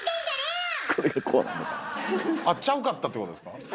あっちゃうかったってことですか？